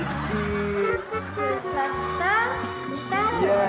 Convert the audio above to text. iya tau gak